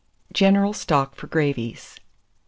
GENERAL STOCK FOR GRAVIES. 432.